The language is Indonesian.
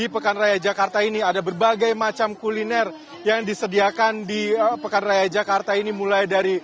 pekan raya jakarta